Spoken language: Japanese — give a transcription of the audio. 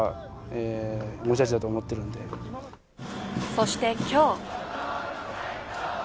そして今日。